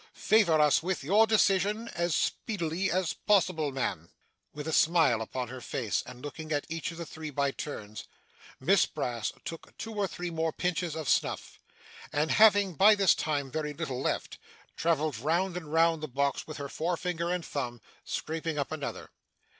Favour us with your decision as speedily as possible, ma'am.' With a smile upon her face, and looking at each of the three by turns, Miss Brass took two or three more pinches of snuff, and having by this time very little left, travelled round and round the box with her forefinger and thumb, scraping up another.